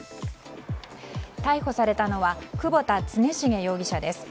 逮捕されたのは窪田常重容疑者です。